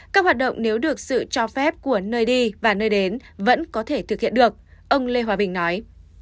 các hoạt động nếu được sự cho phép của nơi đi và nơi đến vẫn có thể thực hiện được ông lê hòa bình nói